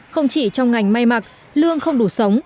không chỉ trong ngành may mặc lương không đủ sống